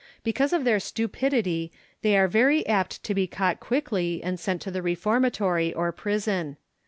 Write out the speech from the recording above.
Because of their stupid ity, they are very apt to be caught quickly and sent to the reformatory or prison.